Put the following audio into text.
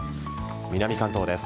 南関東です。